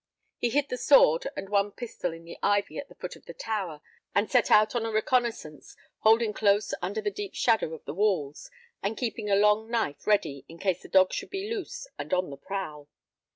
He hid the sword and one pistol in the ivy at the foot of the tower, and set out on a reconnoissance, holding close under the deep shadow of the walls, and keeping a long knife ready in case the dog should be loose and on the prowl.